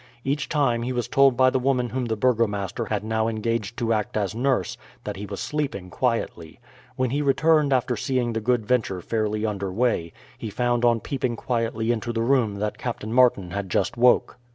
Each time he was told by the woman whom the burgomaster had now engaged to act as nurse, that he was sleeping quietly. When he returned after seeing the Good Venture fairly under way, he found on peeping quietly into the room that Captain Martin had just woke.